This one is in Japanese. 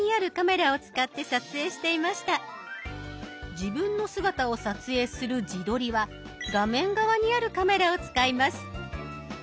自分の姿を撮影する「自撮り」は画面側にあるカメラを使います。